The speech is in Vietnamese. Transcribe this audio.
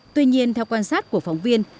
tuy nhiên theo quan sát của phóng viên